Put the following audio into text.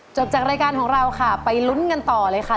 จบจากรายการของเราค่ะไปลุ้นกันต่อเลยค่ะ